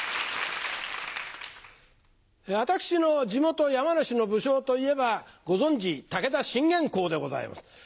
私の地元山梨の武将といえばご存じ武田信玄公でございます。